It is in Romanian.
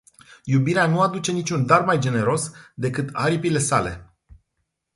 Iubirea nu aduce nici un dar mai generos decât aripile sale.